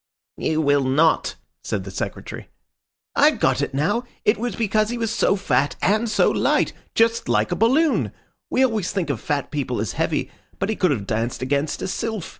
"You will not," said the Secretary. "I've got it now," cried Bull, "it was because he was so fat and so light. Just like a balloon. We always think of fat people as heavy, but he could have danced against a sylph.